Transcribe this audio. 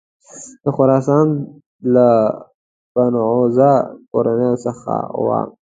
د خراسان له بانفوذه کورنیو څخه وه.